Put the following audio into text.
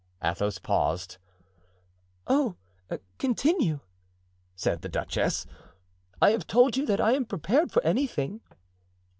Athos paused. "Oh, continue!" said the duchess. "I have told you that I am prepared for anything."